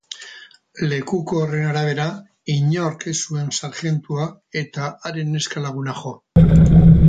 Lekuko horren arabera, inork ez zuen sarjentua eta haren neska-laguna jo.